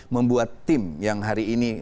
membuat tim yang hari ini